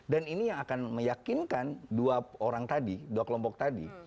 dan ini yang akan meyakinkan dua orang tadi dua kelompok tadi